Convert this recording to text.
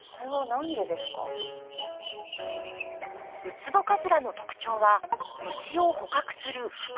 ウツボカズラの特徴は虫を捕獲する袋。